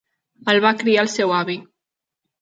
El va criar el seu avi.